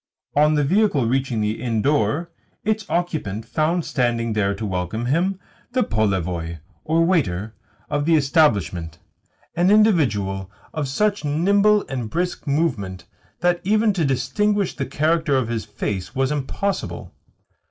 On the vehicle reaching the inn door, its occupant found standing there to welcome him the polevoi, or waiter, of the establishment an individual of such nimble and brisk movement that even to distinguish the character of his face was impossible.